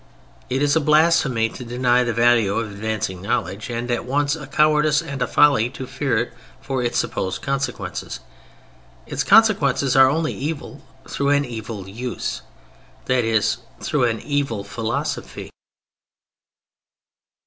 It is a blasphemy to deny the value of advancing knowledge, and at once a cowardice and a folly to fear it for its supposed consequences. Its consequences are only evil through an evil use, that is, through an evil philosophy.